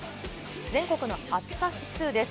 全国の暑さ指数です。